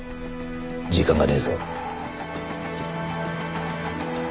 時間がねえぞ。